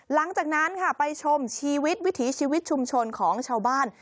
หลังจากนั้นค่ะไปชมชีวิตวิถีชีวิตชุมชนของชาวบ้าน